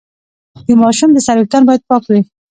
د ماشوم د سر ویښتان باید پاک وي۔